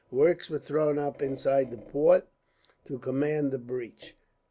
Works were thrown up inside the fort, to command the breach.